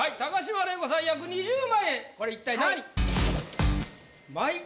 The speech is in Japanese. これ一体何？